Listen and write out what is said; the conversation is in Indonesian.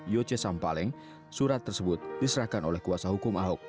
yoce sampaleng surat tersebut diserahkan oleh kuasa hukum ahok